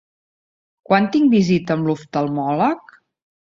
Quan tinc visita amb l'oftalmòleg?